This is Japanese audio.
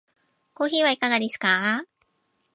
コーヒーはいかがですか？